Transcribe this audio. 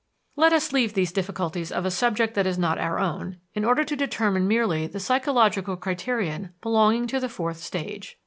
Let us leave these difficulties of a subject that is not our own, in order to determine merely the psychological criterion belonging to the fourth stage.